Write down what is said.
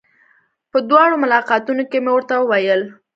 په دواړو ملاقاتونو کې مې ورته وويل.